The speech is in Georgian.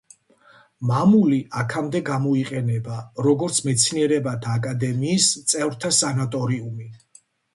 მამული აქამდე გამოიყენება, როგორც მეცნიერებათა აკადემიის წევრთა სანატორიუმი.